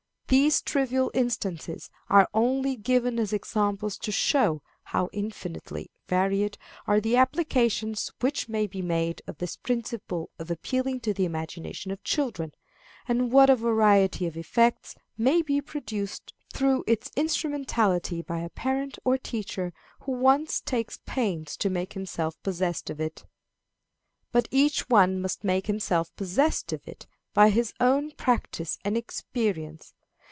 These trivial instances are only given as examples to show how infinitely varied are the applications which may be made of this principle of appealing to the imagination of children, and what a variety of effects may be produced through its instrumentality by a parent or teacher who once takes pains to make himself possessed of it. But each one must make himself possessed of it by his own practice and experience.